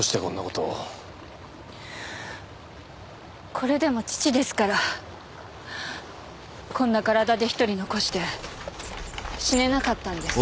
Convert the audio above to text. これでも父ですからこんな体で１人残して死ねなかったんです